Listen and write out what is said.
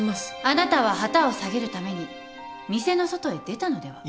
あなたは旗を下げるために店の外へ出たのでは？